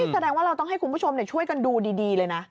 แสดงว่าเราต้องให้คุณผู้ชมช่วยกันดูดีเลยนะ